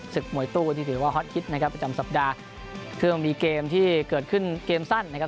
มวยตู้ที่ถือว่าฮอตฮิตนะครับประจำสัปดาห์เครื่องมีเกมที่เกิดขึ้นเกมสั้นนะครับ